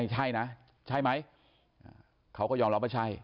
ใช่นะใช่ไหมเขาก็ยอมรับว่าใช่